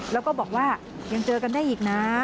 แล้วก็บอกว่ายังเจอกันได้อีกนะ